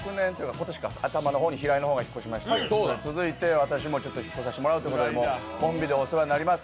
今年頭の方に平井が引っ越しまして続いて私も引っ越しさせてもらうということでコンビでお世話になります。